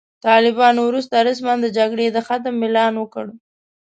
طالبانو وروسته رسماً د جګړې د ختم اعلان وکړ.